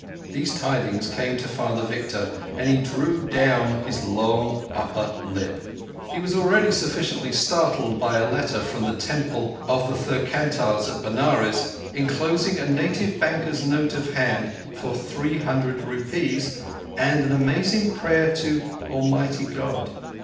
These tidings came to Father Victor, and he drew down his long upper lip. He was already sufficiently startled by a letter from the Temple of the Tirthankars at Benares, enclosing a native banker's note of hand for three hundred rupees, and an amazing prayer to "Almighty God".